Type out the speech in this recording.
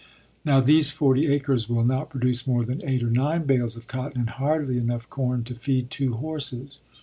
Now, these forty acres will not produce more than eight or nine bales of cotton and hardly enough corn to feed two horses.